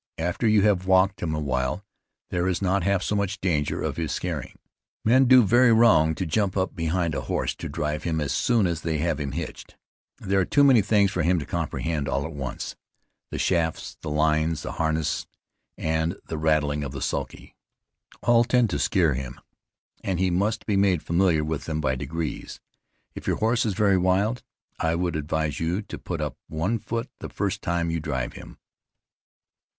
After you have walked him awhile, there is not half so much danger of his scaring. Men do very wrong to jump up behind a horse to drive him as soon as they have him hitched. There are too many things for him to comprehend all at once. The shafts, the lines, the harness, and the rattling of the sulky, all tend to scare him, and he must be made familiar with them by degrees. If your horse is very wild, I would advise you to put up one foot the first time you drive him.